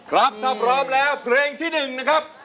ครับถ้าพร้อมแล้วเพลงที่๑นะครับ